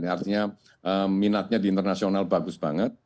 artinya minatnya di internasional bagus banget